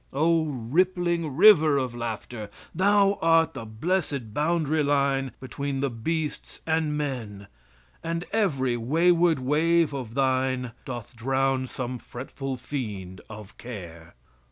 O, rippling river of laughter, thou art the blessed boundary line between the beasts and men, and every wayward wave of thine doth drown some fretful fiend of care.